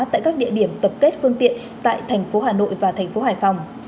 tại các địa điểm tập kết phương tiện tại tp hà nội và tp hải phòng